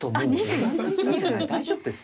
大丈夫ですか？